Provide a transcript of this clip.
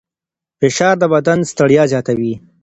فشار د بدن ستړیا زیاتوي.